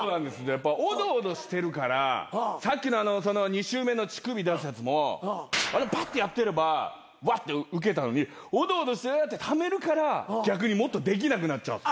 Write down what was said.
やっぱオドオドしてるからさっきの２週目の乳首出すやつもパッてやってればワッてウケたのにオドオドしてためるから逆にもっとできなくなっちゃう。